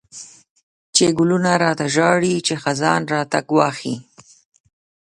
چی گلونه را ته ژاړی، چی خزان راته گواښیږی